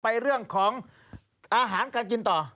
เรื่องของอาหารการกินต่อ